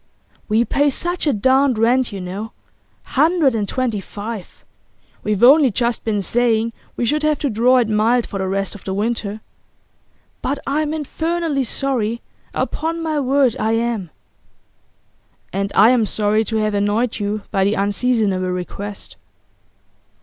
'We pay such a darned rent, you know hundred and twenty five. We've only just been saying we should have to draw it mild for the rest of the winter. But I'm infernally sorry; upon my word I am.' 'And I am sorry to have annoyed you by the unseasonable request.